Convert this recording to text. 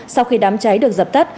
sau khi đám cháy được dập tắt